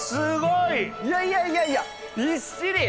いやいやいやいやびっしり！